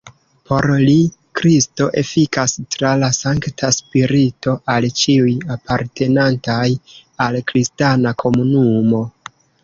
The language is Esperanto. Por li Kristo efikas tra la Sankta Spirito al ĉiuj apartenantaj al kristana komunumo.